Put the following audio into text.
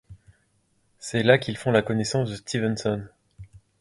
C'est là qu'ils font la connaissance de Stevenson.